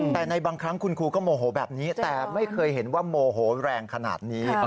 แต่ในบางครั้งคุณครูก็โมโหแบบนี้แต่ไม่เคยเห็นว่าโมโหแรงขนาดนี้